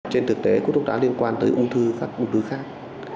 trên thực tế thuốc lá liên quan tới ung thư khác